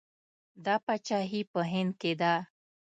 دا پاچاهي په هند کې ده.